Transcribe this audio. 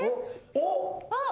あっ！